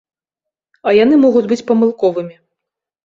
А яны могуць быць памылковымі.